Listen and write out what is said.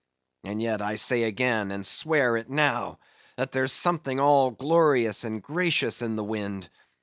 And yet, I say again, and swear it now, that there's something all glorious and gracious in the wind.